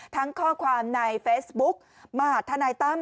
ทั้งข้อความในเฟสบุ๊คมาธนายตั้ม